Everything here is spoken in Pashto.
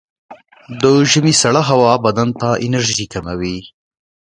د ژمي سړه هوا بدن ته انرژي کموي.